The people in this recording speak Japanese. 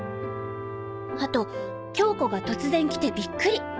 あと恭子が突然来てびっくり。